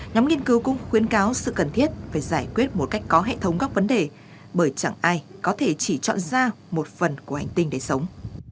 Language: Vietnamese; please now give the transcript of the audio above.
nhóm nghiên cứu cũng khuyến cáo sự cần thiết phải giải quyết một cách có hệ thống góc vấn đề bởi chẳng ai có thể chỉ chọn ra một phần của hành tinh để sống